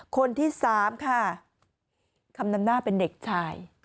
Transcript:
คนที่๓ค่ะคำนำหน้าเป็นเด็กชาย